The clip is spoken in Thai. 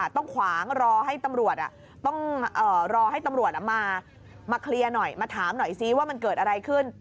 ต้องรอให้ตำรวจมามาเคลียร์หน่อยมาถามหน่อยสิว่ามันเกิดอะไรขึ้น